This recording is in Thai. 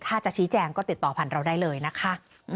ถ้าจะชี้แจงก็ติดต่อผ่านเราได้เลยนะคะ